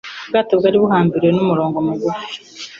Ubwato bwari buhambiriwe n'umurongo mugufi.